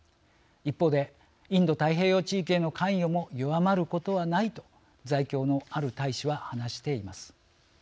一方でインド太平洋地域への関与も弱まることはないと在京のある大使は話しています。